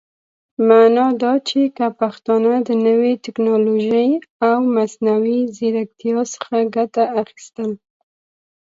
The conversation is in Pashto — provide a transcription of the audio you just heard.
معنا دا چې که پښتانهٔ د نوې ټيکنالوژۍ او مصنوعي ځيرکتيا څخه ګټه اخيستل